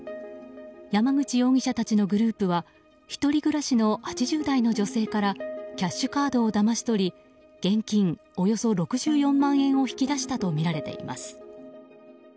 山口容疑者たちのグループは１人暮らしの８０代の女性からキャッシュカードをだまし取り現金およそ６４万円を引き出したとみられています。